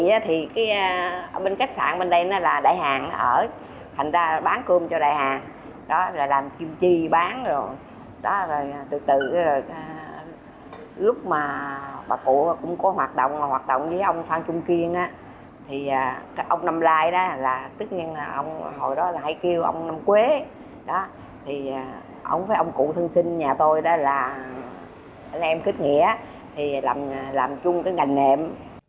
đó thì ông với ông cụ thân sinh nhà tôi đó là anh em kết nghĩa thì làm chung cái ngành nệm